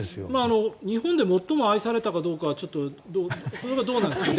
日本で最も愛されたかどうかはちょっとそれはどうなんですかね